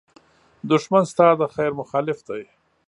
دښمن ستا د خېر مخالف دی